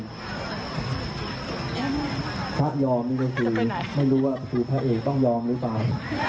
พระยอมนี่ก็คือไม่รู้ว่าคือพระเอกต้องยอมหรือเปล่า